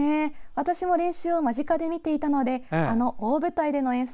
私も練習を間近で見ていたのであの大舞台での演奏